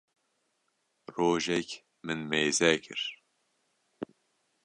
rojek min mêze kir